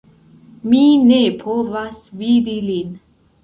Mi ne povas vidi lin